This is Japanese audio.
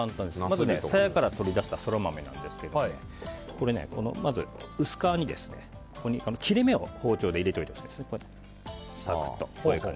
まずさやから取り出したソラマメをまず、薄皮に切れ目を包丁で入れておいてほしいんですね。